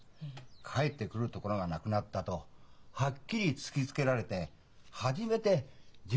帰ってくるところがなくなった」とはっきり突きつけられて初めて自分の間違いに気付く。